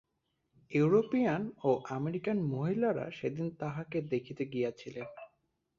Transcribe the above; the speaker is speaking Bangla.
ইউরোপীয়ান ও আমেরিকান মহিলারা সেদিন তাঁহাকে দেখিতে গিয়াছিলেন।